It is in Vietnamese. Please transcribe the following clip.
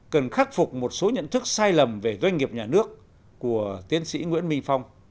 cần khắc phục một số nhận thức sai lầm về doanh nghiệp nhà nước của tiến sĩ nguyễn minh phong